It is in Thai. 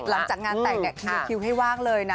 คือหลังจากงานแต่งเนี่ยคลิวให้วากเลยนะ